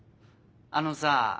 あのさぁ。